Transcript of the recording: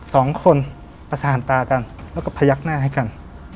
สองคนประสานตากันแล้วก็พยักหน้าให้กัน